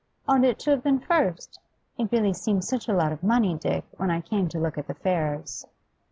'Ought it to have been first? It really seemed such a lot of money, Dick, when I came to look at the fares.